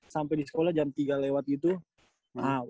sampai di sekolah jam tiga lewat gitu mahal